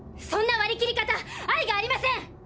そんな割り切り方愛がありません！